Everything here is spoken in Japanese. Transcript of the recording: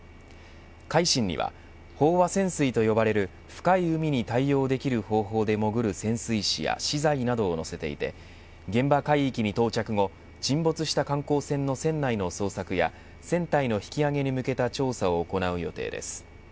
海進には、飽和潜水と呼ばれる深い海に対応できる方法でもぐる潜水士や資材などを載せていて現場海域に到着後沈没した観光船の船内の捜索や船体の引き揚げに向けた調査を行う予定です。